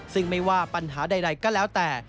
ซึ่งไม่ว่าปัญหาใดก็แล้วแต่